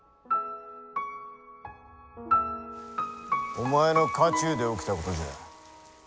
お前の家中で起きたことじゃ。